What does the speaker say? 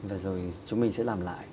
và rồi chúng mình sẽ làm lại